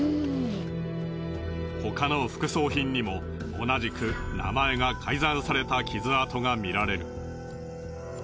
他の副葬品にも同じく名前が改ざんされた傷跡が見られる。